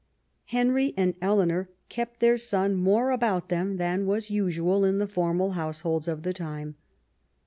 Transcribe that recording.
Henry and Eleanor kept their son more about them than was usual in the foraial households of the time.